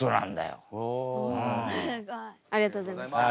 すごい。ありがとうございました。